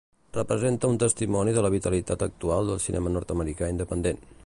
Representa un testimoni de la vitalitat actual del cinema nord-americà independent.